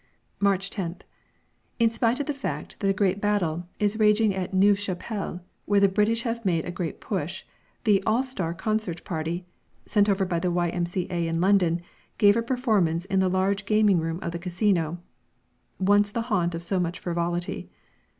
March 10th. In spite of the fact that a great battle is raging at Neuve Chapelle, where the British have made a great push, the "all star" concert party, sent over by the Y.M.C.A. in London, gave a performance in the large gaming room of the Casino (once the haunt of so much frivolity).